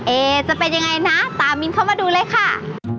เอจะเป็นยังไงนะตามินเข้ามาดูเลยค่ะ